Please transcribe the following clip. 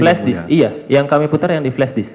flashdisk iya yang kami putar yang di flashdisk